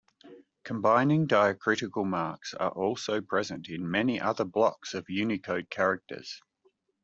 Combining diacritical marks are also present in many other blocks of Unicode characters.